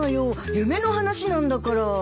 夢の話なんだから。